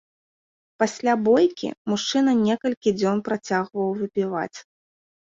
Пасля бойкі мужчына некалькі дзён працягваў выпіваць.